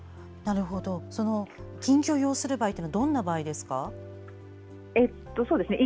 緊急を要する場合とはどんな場合ですか？